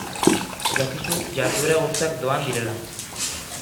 Jakizu jarduera guztiak doan direla.